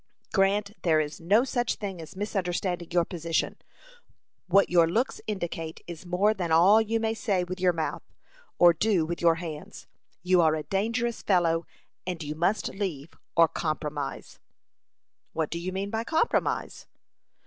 "Grant, there is no such thing as misunderstanding your position. What your looks indicate is more than all you may say with your mouth, or do with your hands. You are a dangerous fellow, and you must leave, or compromise." "What do you mean by compromise?"